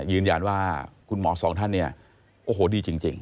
ยืนยันว่าคุณหมอสองท่านเนี่ยโอ้โหดีจริง